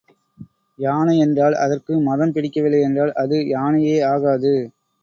யானை என்றால் அதற்கு மதம் பிடிக்கவில்லை என்றால் அது யானையே ஆகாது.